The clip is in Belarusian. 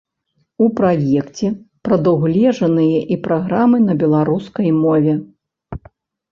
У праекце прадугледжаныя і праграмы на беларускай мове.